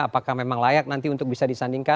apakah memang layak nanti untuk bisa disandingkan